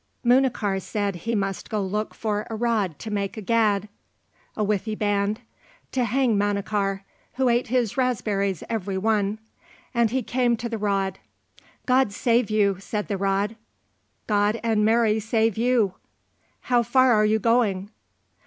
Munachar said he must go look for a rod to make a gad (a withy band) to hang Manachar, who ate his raspberries every one; and he came to the rod. "God save you," said the rod. "God and Mary save you." "How far are you going?"